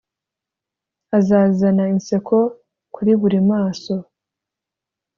azazana inseko kuri buri maso